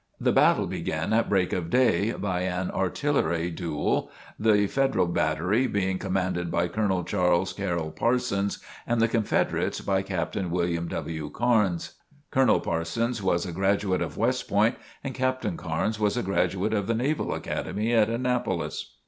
The battle began at break of day by an artillery duel, the Federal battery being commanded by Colonel Charles Carroll Parsons and the Confederates by Captain William W. Carnes. Colonel Parsons was a graduate of West Point and Captain Carnes was a graduate of the Naval Academy at Annapolis.